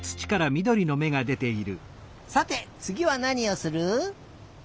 さてつぎはなにをする？